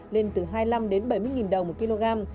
lên từ hai mươi năm bảy mươi nghìn đồng một kg